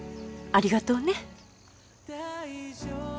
ありがとう。